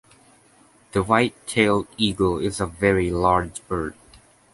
The white-tailed eagle is a very large bird.